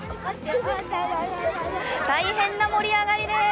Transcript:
大変な盛り上がりです。